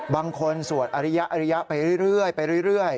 บางคนสวดอริยะอริยะไปเรื่อย